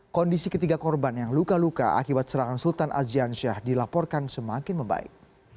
kondisi ketiga korban yang luka luka akibat serangan sultan azian syah dilaporkan semakin membaik